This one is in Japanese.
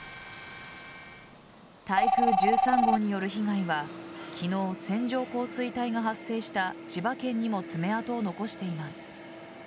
台風１３号による被害は昨日、線状降水帯が発生した千葉県にも爪痕を残しています。